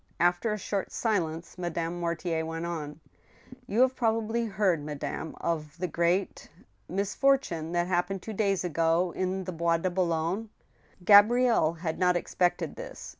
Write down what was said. After a short silence, Madame Mortier went on :" You have probably heard, madame, of the great .••* mis fortune that happened two days ago in the Bois de Boulogne ?" Gabrielle had not expected this.